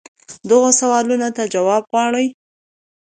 دغو سوالونو ته جواب غواړي.